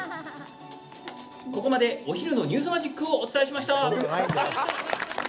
ここまでお昼のニュースマジックをお伝えしました。